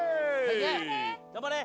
頑張れ！